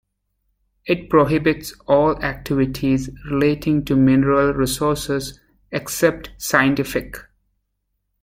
It prohibits all activities relating to mineral resources except scientific.